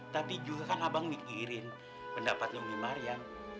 tadi juga kan abang mikirin pendapatnya umi maryam